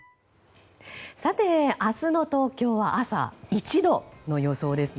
明日の東京は朝、１度の予想ですね。